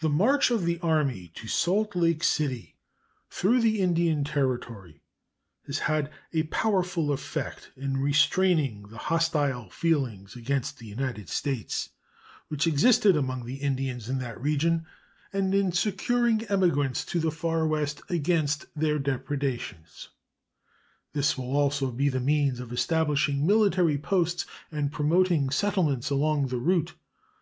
The march of the army to Salt Lake City through the Indian Territory has had a powerful effect in restraining the hostile feelings against the United States which existed among the Indians in that region and in securing emigrants to the far West against their depredations. This will also be the means of establishing military posts and promoting settlements along the route.